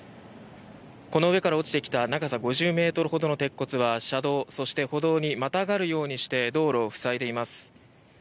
この上から落ちてきた長さ５０ｍほどの鉄骨は車道、そして歩道にまたがるようにして道路を塞いでいます。